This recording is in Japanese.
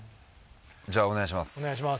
じゃあお願いします。